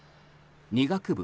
２学部